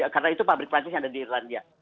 karena itu pabrik prancis yang ada di irlandia